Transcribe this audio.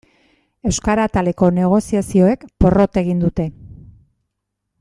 Euskara ataleko negoziazioek porrot egin dute.